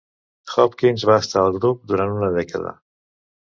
Hopkins va estar al grup durant una dècada.